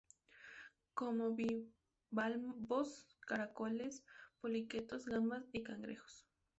Come bivalvos, caracoles, poliquetos, gambas y cangrejos.